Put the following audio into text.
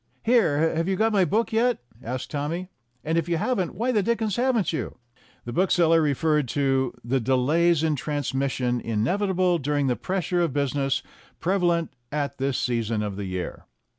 "Here, have you got my book yet ?" asked Tommy ; "and if you haven't, why the dickens haven't you?" The bookseller referred to "the delays in trans mission inevitable during the pressure of business prevalent at this season of the year."